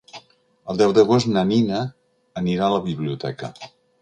El deu d'agost na Nina anirà a la biblioteca.